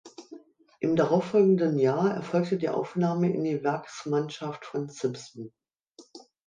Im darauffolgenden Jahr erfolgte die Aufnahme in die Werksmannschaft von Simson.